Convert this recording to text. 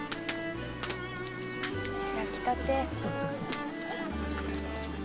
焼きたて。